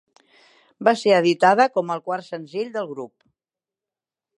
Va ser editada com el quart senzill del grup.